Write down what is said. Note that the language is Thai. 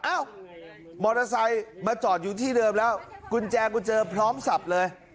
เอ้ามอเตอร์ไซค์มาจอดอยู่ที่เดิมแล้วกุญแจกุญเจอพร้อมสับเลย